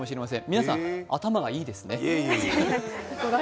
皆さん、頭がいいですね。